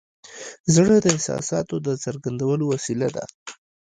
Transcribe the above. زړه د احساساتو د څرګندولو وسیله ده.